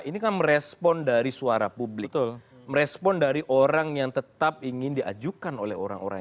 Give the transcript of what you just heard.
ini kan merespon dari suara publik merespon dari orang yang tetap ingin diajukan oleh orang orang